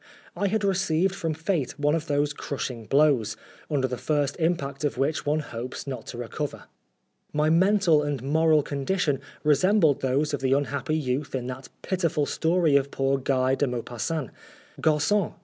I had received from fate one of those crushing blows, under the first impact of which one hopes not to recover. My mental and moral condition resembled those of the unhappy youth in that pitiful story of poor Guy de Maupassant, " Garon